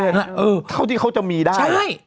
เท่าที่เขาจะมีได้